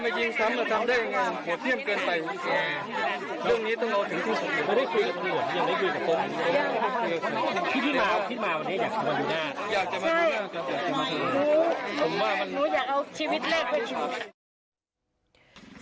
ใช่หนูหนูอยากเอาชีวิตเล็กไว้ชีวิต